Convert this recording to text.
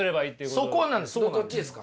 それどっちですか？